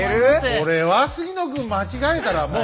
これは杉野君間違えたらもう。